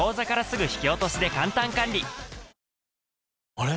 あれ？